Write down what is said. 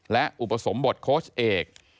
และอุปสมบทโค้ชเอก